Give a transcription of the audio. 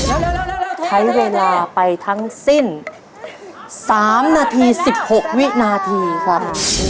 อือมมมมมมมมมมมมให้เวลาไปทั้งสิ้น๓นาที๑๖วินาทีครับ